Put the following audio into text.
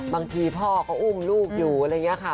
บางทีพ่อก็อุ้มลูกอยู่อะไรอย่างนี้ค่ะ